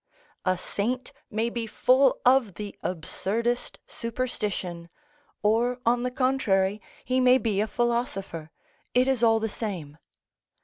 A saint may be full of the absurdest superstition, or, on the contrary, he may be a philosopher, it is all the same.